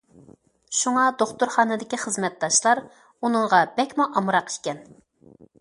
شۇڭا دوختۇرخانىدىكى خىزمەتداشلار ئۇنىڭغا بەكمۇ ئامراق ئىكەن.